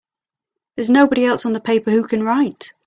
There's nobody else on the paper who can write!